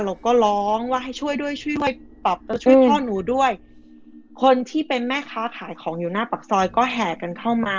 เราก็ร้องว่าให้ช่วยด้วยช่วยด้วยปรับตัวช่วยพ่อหนูด้วยคนที่เป็นแม่ค้าขายของอยู่หน้าปากซอยก็แห่กันเข้ามา